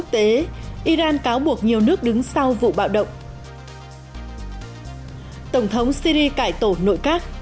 ngoại truyền thông báo